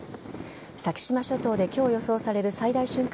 先島諸島で今日予想される最大瞬間